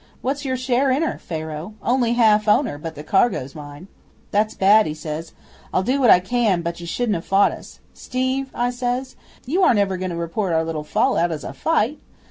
What's your share in her, Pharaoh?" '"Only half owner, but the cargo's mine." '"That's bad," he says. "I'll do what I can, but you shouldn't have fought us." '"Steve," I says, "you aren't ever going to report our little fall out as a fight!